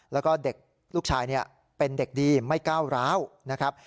แล้วก็เด็กลูกชายเป็นเด็กดีไม่ก้าวร้าวนะครับ